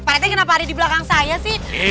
pak rete kenapa ada di belakang saya sih